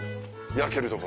焼ける所。